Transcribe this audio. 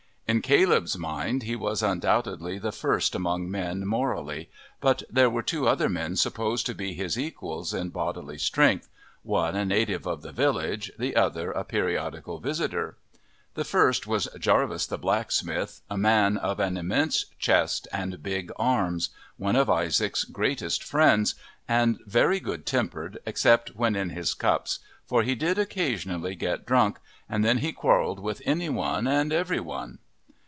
In Caleb's mind he was undoubtedly the first among men morally, but there were two other men supposed to be his equals in bodily strength, one a native of the village, the other a periodical visitor. The first was Jarvis the blacksmith, a man of an immense chest and big arms, one of Isaac's greatest friends, and very good tempered except when in his cups, for he did occasionally get drunk, and then he quarrelled with anyone and every one.